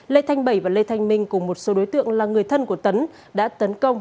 lê thanh bảy và lê thanh minh cùng một số đối tượng là người thân của tấn đã tấn công